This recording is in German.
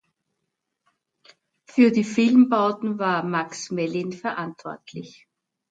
Für die Filmbauten war Max Mellin verantwortlich.